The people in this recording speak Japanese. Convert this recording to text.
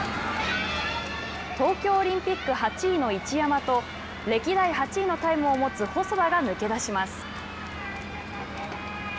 東京オリンピック８位の一山と歴代８位のタイムを持つ細田が抜け出します。